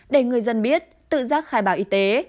để người dân biết tự giác khai báo y tế